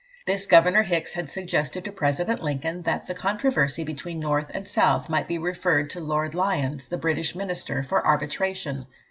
This Governor Hicks had suggested to President Lincoln that the controversy between North and South might be referred to Lord Lyons, the British Minister, for arbitration.